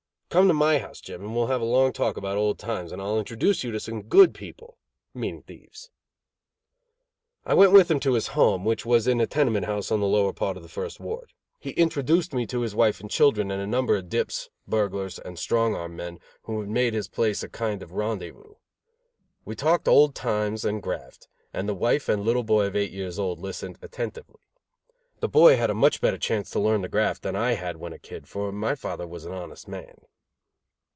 Come to my house, Jim, and we'll have a long talk about old times, and I will introduce you to some good people (meaning thieves)." I went with him to his home, which was in a tenement house in the lower part of the first ward. He introduced me to his wife and children and a number of dips, burglars and strong armed men who made his place a kind of rendezvous. We talked old times and graft, and the wife and little boy of eight years old listened attentively. The boy had a much better chance to learn the graft than I had when a kid, for my father was an honest man.